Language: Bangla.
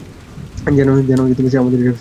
যেন সে আমাদের সাথেই রয়েছে।